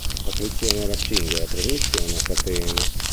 La frizione era a cinghia e la trasmissione a catene.